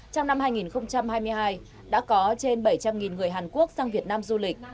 trong năm hai nghìn hai mươi hai đã có trên bảy trăm linh người hàn quốc sang việt nam du lịch